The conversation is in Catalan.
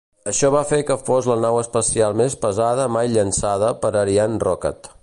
Això va fer que fos la nau espacial més pesada mai llançada per Ariane Rocket.